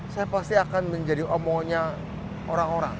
saya pasti akan menjadi omongnya orang orang